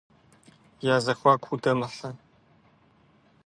Я зэхуаку удэмыхьэ.